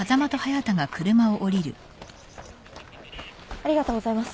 ・ありがとうございます。